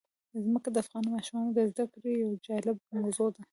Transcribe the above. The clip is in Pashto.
ځمکه د افغان ماشومانو د زده کړې یوه جالبه موضوع ده.